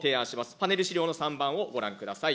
パネル資料の３番をご覧ください。